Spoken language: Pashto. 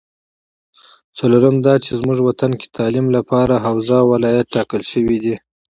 څلورم دا چې زمونږ وطن کې تعلیم لپاره حوزه ولایت ټاکل شوې ده